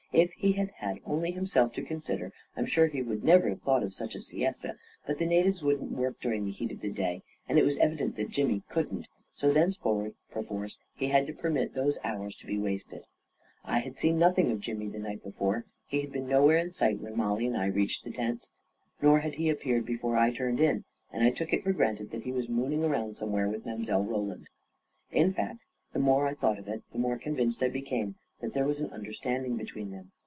If he had had only himself to con sider, I am sure he would never have thought of such a siesta; but the natives wouldn't work during the heat of the day, and it was evident that Jimmy couldn't; so thenceforward, perforce, he had to per mit those hours to be wasted. I had seen nothing of Jimmy the night before. He had been nowhere in sight when Mollie and I reached the tents, nor had he appeared before I 175 176 A KING IN BABYLON turned in, and I took it for granted that he was mooning around somewhere with Mile. Roland. In fact, the more I thought of it, the more convinced I became that there was an understanding between them.